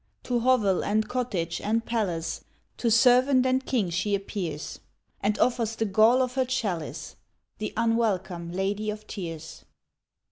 To hovel, and cottage, and palace, To servant and king she appears, And offers the gall of her chalice The unwelcome Lady of Tears.